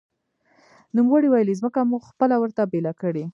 نوموړي ویلي، ځمکه مو خپله ورته بېله کړې